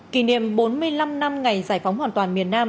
kỷ niệm bốn mươi năm năm ngày giải phóng hoàn toàn miền nam